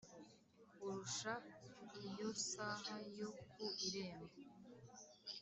kurusha iyo siha yo ku irembo.